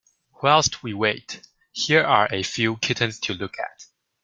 Whilst we wait, here are a few kittens to look at.